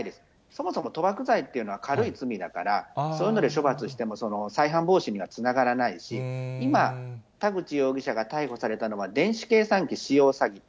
そもそも賭博罪というのは軽い罪だから、そういうので処罰しても、再犯防止にはつながらないし、今、田口容疑者が逮捕されたのは、電子計算機使用詐欺。